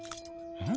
うん。